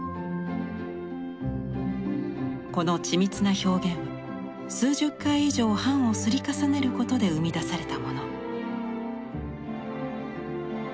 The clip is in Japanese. この緻密な表現は数十回以上版を摺り重ねることで生み出されたもの。